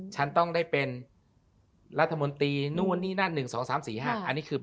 ฉันต้องได้เป็นรัฐมนตรีนู่นนี่นั่น